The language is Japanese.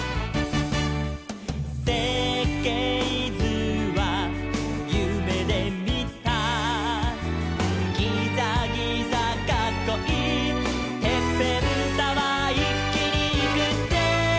「せっけいずはゆめでみた」「ギザギザかっこいいてっぺんタワー」「いっきにいくぜ」